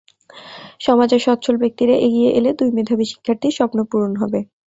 সমাজের সচ্ছল ব্যক্তিরা এগিয়ে এলে দুই মেধাবী শিক্ষার্থীর স্বপ্ন পূরণ হবে।